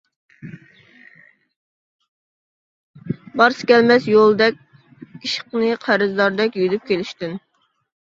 بارسا كەلمەس يولدەك ئىشقنى قەرزداردەك يۈدۈپ كېلىشتىن.